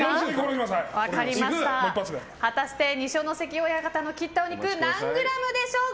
果たして二所ノ関親方の切ったお肉何グラムでしょうか。